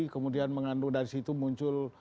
kemudian mengandung dari situ muncul